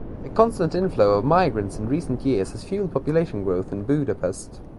A constant inflow of migrants in recent years has fuelled population growth in Budapest.